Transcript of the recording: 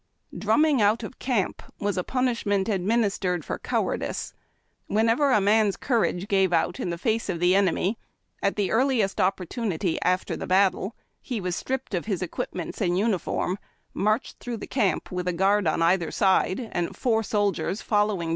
Drumming out of camp was a punishment administered for cowardice. Whenever a man's courage gave out in the face DRUMMING OUT OF CAMP. of the enemy, at the earliest opportunity after the battle, he was stripped of his equipments and uniform, marched through tlie camp with a guard on either side and four soldiers following?